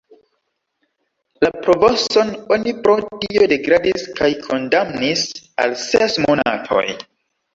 La provoson oni pro tio degradis kaj kondamnis al ses monatoj.